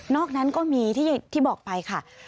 นั้นก็มีที่บอกไปค่ะ